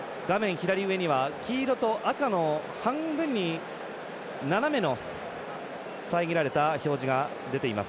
左上には黄色と赤の半分に斜めの遮られた表示が出ています。